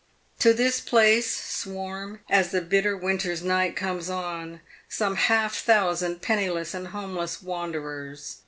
To this place swarm, as the bitter winter's night comes on, some half thousand penniless and homeless wanderers.